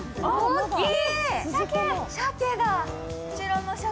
大きい！